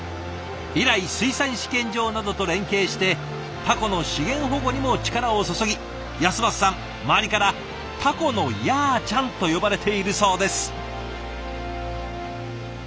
以来水産試験場などと連携してタコの資源保護にも力を注ぎ尉晶さん周りから「タコのやーちゃん」と呼ばれているそうです。